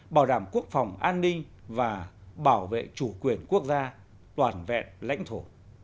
bảo đảm quốc phòng an ninh và bảo vệ chủ quyền quốc gia toàn vẹn lãnh thổ